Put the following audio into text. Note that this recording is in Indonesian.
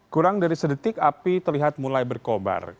kurang dari sedetik api terlihat mulai berkobar